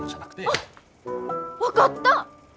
あっ分かった！